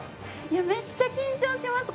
めっちゃ緊張します！